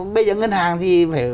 bây giờ ngân hàng thì phải